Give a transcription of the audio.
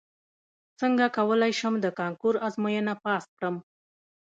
څنګه کولی شم د کانکور ازموینه پاس کړم